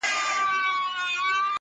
تا پر اوږده ږيره شراب په خرمستۍ توی کړل.